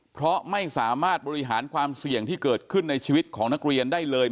เพราะไม่สามารถบริหารความเสี่ยงที่เกิดขึ้นในชีวิตของนักเรียนได้เลย